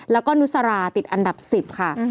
แล้วก็นุสราติดอันดับ๑๐ค่ะ